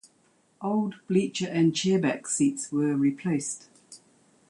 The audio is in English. Old bleacher and chairback seats were replaced.